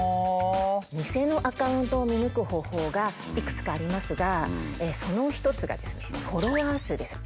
偽のアカウントを見抜く方法がいくつかありますがその一つがフォロワー数です。